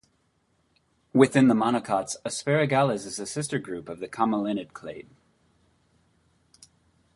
Within the monocots, Asparagales is the sister group of the commelinid clade.